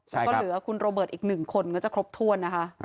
แล้วก็เหลือคุณโรเบิร์ตอีก๑คนก็จะครบถ้วนนะคะ